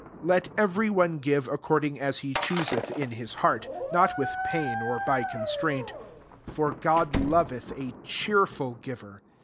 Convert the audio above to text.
7 Let evwy one give^ according as he chooseth in his heart ; not with pain, or by constraint : for God loveth a cheerful g^ver.